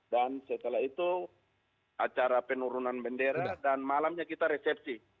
dan setelah itu acara penurunan bendera dan malamnya kita resepsi